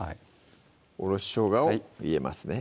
おろししょうがを入れますね